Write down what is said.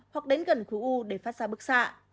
hoặc đến gần khu u để phát ra bức xạ